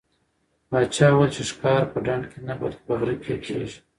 پاچا وویل چې ښکار په ډنډ کې نه بلکې په غره کې کېږي.